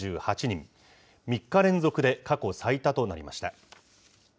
３日連続で過去最多となりました。